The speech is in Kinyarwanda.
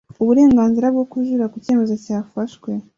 uburenganzira bwo kujurira ku cyemezo cyafashwe